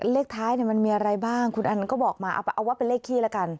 เลขท้ายมันมีอะไรบ้างคุณอันก็บอกมาเอาว่าเป็นเลขขี้ละกัน